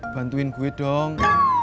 bantuin gue dong